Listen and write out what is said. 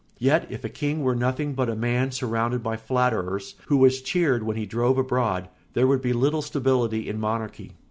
Yet if a king were nothing but a man surrounded by flatterers, who was cheered when he drove abroad, there would be little stability in monarchy.